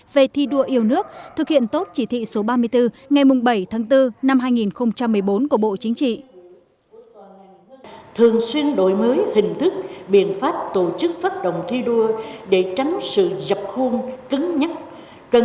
về thi đua yêu nước thực hiện tốt chỉ thị số ba mươi bốn ngày bảy tháng bốn năm hai nghìn một mươi bốn của bộ chính trị